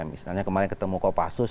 misalnya kemarin ketemu kopassus